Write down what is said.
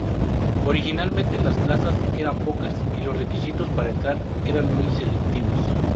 Originalmente, las plazas eran pocas y los requisitos para entrar eran muy selectivos.